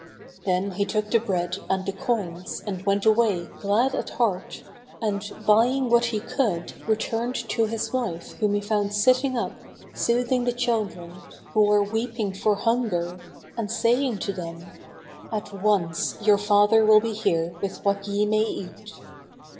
Then he took the bread and the coins and went away, glad at heart, and buying what he could returned to his wife whom he found sitting up, soothing the children, who were weeping for hunger, and saying to them, "At once your father will be here with what ye may eat."